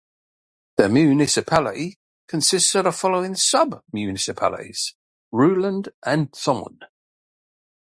The municipality consists of the following sub-municipalities: Reuland and Thommen.